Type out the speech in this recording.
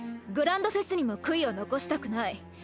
グランドフェスにも悔いを残したくない。